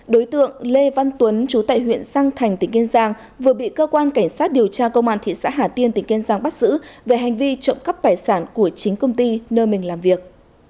đối tượng lê văn tuấn chú tại huyện sang thành tỉnh kiên giang vừa bị cơ quan cảnh sát điều tra công an thị xã hà tiên tỉnh kiên giang bắt giữ về hành vi trộm cắp tài sản của chính công ty nơi mình làm việc